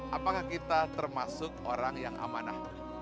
apakah kita termasuk orang yang amanah